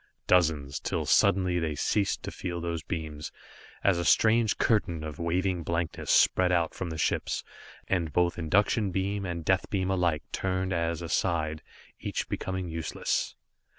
Dozens till suddenly they ceased to feel those beams, as a strange curtain of waving blankness spread out from the ships, and both induction beam and death beam alike turned as aside, each becoming useless.